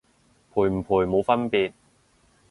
賠唔賠冇分別